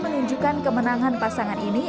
menunjukkan kemenangan pasangan ini